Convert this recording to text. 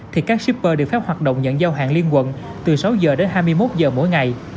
thì các shipper đều phép hoạt động nhận giao hàng liên quận từ sáu giờ đến hai mươi một giờ mỗi ngày